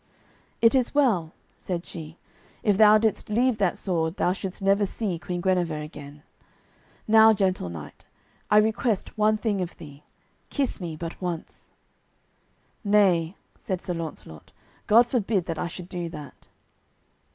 "It is well," said she. "If thou didst leave that sword thou shouldst never see Queen Guenever again. Now, gentle knight, I request one thing of thee. Kiss me but once." "Nay," said Sir Launcelot, "God forbid that I should do that."